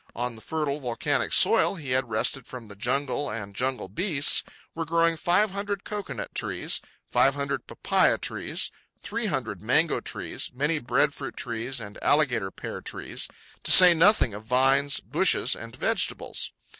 On the fertile, volcanic soil he had wrested from the jungle and jungle beasts were growing five hundred cocoanut trees, five hundred papaia trees, three hundred mango trees, many breadfruit trees and alligator pear trees, to say nothing of vines, bushes, and vegetables.